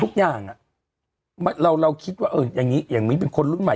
ทุกอย่างเราคิดว่าเอออย่างนี้อย่างนี้เป็นคนรุ่นใหม่